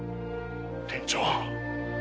店長。